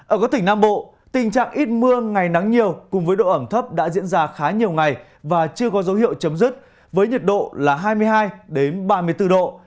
ở các tỉnh nam bộ tình trạng ít mưa ngày nắng nhiều cùng với độ ẩm thấp đã diễn ra khá nhiều ngày và chưa có dấu hiệu chấm dứt với nhiệt độ là hai mươi hai ba mươi bốn độ